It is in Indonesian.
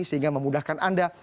sehingga memudahkan anda